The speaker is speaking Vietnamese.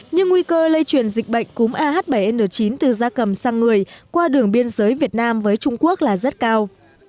nhưng nguy cơ lây truyền dịch bệnh cúm ah bảy n chín từ da cầm sang người qua đường biên giới việt nam với trung quốc là rất cao